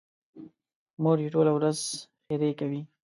مور یې ټوله ورځ ښېرې کوي.